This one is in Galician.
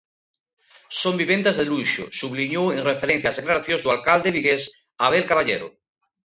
"Son vivendas de luxo", subliñou en referencia ás declaracións do alcalde vigués, Abel Caballero.